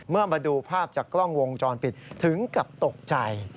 มาดูภาพจากกล้องวงจรปิดถึงกับตกใจ